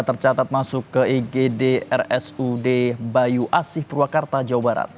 tercatat masuk ke igd rsud bayu asih purwakarta jawa barat